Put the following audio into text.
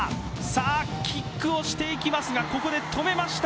さあ、キックをしていきますが、ここで止めました。